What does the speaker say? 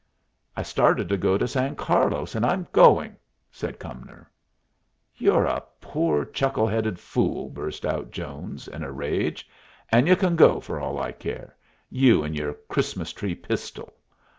"I started to go to San Carlos, and I'm going," said Cumnor. "You're a poor chuckle headed fool!" burst out Jones, in a rage. "And y'u can go, for all I care you and your Christmas tree pistol.